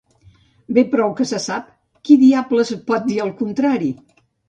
Bé prou que se sap. Qui diables pot dir el contrari?